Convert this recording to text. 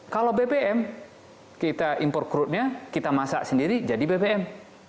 kalau bbm kita impor crude nya kita masak sendiri jadi bbm